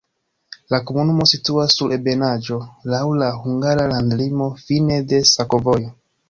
La komunumo situas sur ebenaĵo, laŭ la hungara landlimo, fine de sakovojo.